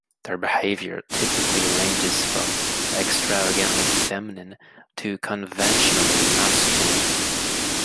Their behavior typically ranges from extravagantly feminine to conventionally masculine.